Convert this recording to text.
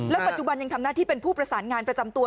ปัจจุบันยังทำหน้าที่เป็นผู้ประสานงานประจำตัว